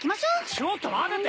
ちょっと待てって！